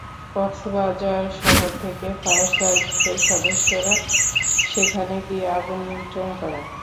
কক্সবাজার শহর থেকে ফায়ার সার্ভিসের সদস্যরা সেখানে গিয়ে আগুন নিয়ন্ত্রণ করেন।